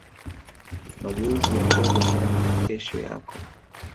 mageuzi ya ajabu ndani ya kesho yako